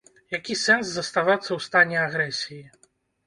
Які сэнс заставацца ў стане агрэсіі?